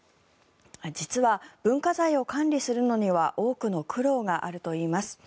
実は、文化財を管理するのには多くの苦労があるといいます。